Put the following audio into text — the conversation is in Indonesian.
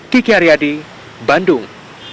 kiki aryadi bandung